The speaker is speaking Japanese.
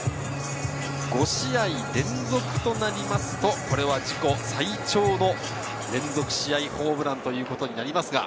５試合連続となりますと、これは自己最長の連続試合ホームランということになります。